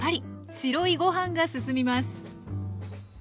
白いご飯がすすみます